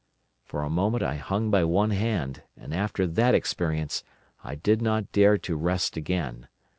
For a moment I hung by one hand, and after that experience I did not dare to rest again.